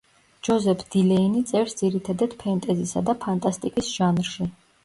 ჯოზეფ დილეინი წერს ძირითადად ფენტეზისა და ფანტასტიკის ჟანრში.